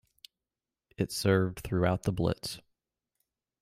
It served throughout the Blitz.